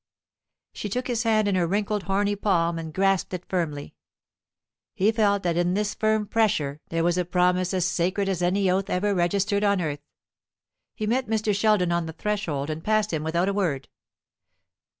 She took his hand in her wrinkled horny palm and grasped it firmly. He felt that in this firm pressure there was a promise sacred as any oath ever registered on earth. He met Mr. Sheldon on the threshold, and passed him without a word.